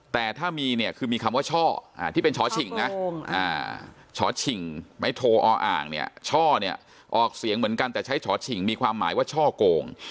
แต่ถ้ามีคือมีคำว่าช่อที่เป็นชอชิงช่อชิงไม้โทอ้ออ่างช่อออกเสียงเหมือนกันแต่ใช้ช่อชิงมีความหมายว่าช่อโกง